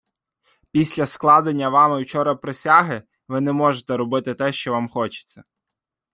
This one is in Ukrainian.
Після складення Вами вчора присяги, Ви не можете робити те що Вам хочеться.